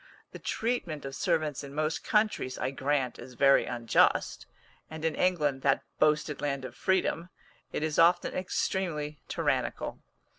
The treatment of servants in most countries, I grant, is very unjust, and in England, that boasted land of freedom, it is often extremely tyrannical.